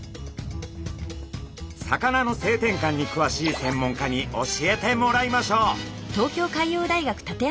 魚の性転換にくわしい専門家に教えてもらいましょう。